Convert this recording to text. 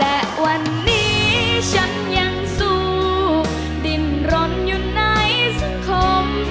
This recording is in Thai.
และวันนี้ฉันยังสู้ดินรนอยู่ในสังคม